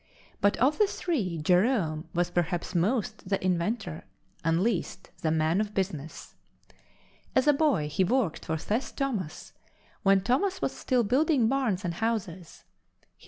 But of the three, Jerome was perhaps most the inventor and least the man of business. As a boy, he worked for Seth Thomas when Thomas was still building barns and houses.